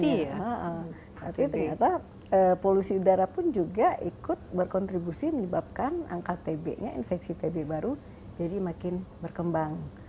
tapi ternyata polusi udara pun juga ikut berkontribusi menyebabkan angka tb nya infeksi tb baru jadi makin berkembang